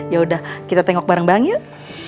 yaudah kita tengok bareng bareng yuk